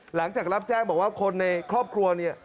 หลังจากรับแจ้งบอกว่าคนในครอบครัวเนี่ย